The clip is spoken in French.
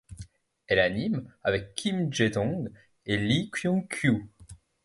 Elle anime avec Kim Je-dong et Lee Kyung-kyu.